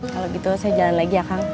kalau gitu saya jalan lagi ya kang